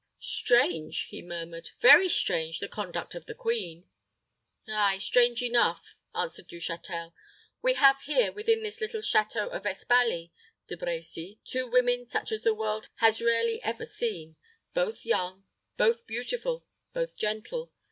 "Strange," he murmured, "very strange, the conduct of the queen!" "Ay, strange enough," answered Du Châtel. "We have here, within this little château of Espaly, De Brecy, two women such as the world has rarely ever seen, both young, both beautiful, both gentle.